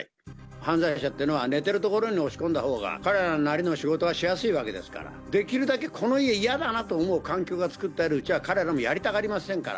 犯罪者っていうのは、寝ている所に押し込んだほうが、彼らなりの仕事がしやすいわけですから、できるだけこの家嫌だなと思う環境が作ってるうちは、彼らもやりたがりませんから。